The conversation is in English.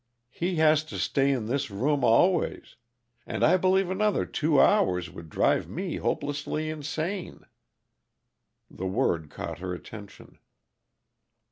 "He has to stay in this room always. And I believe another two hours would drive me hopelessly insane." The word caught her attention.